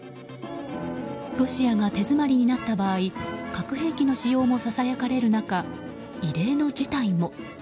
ロシアが手詰まりになった場合核兵器の使用もささやかれる中異例の事態も。